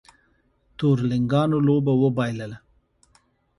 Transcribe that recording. تورلېنګانو لوبه وبایلله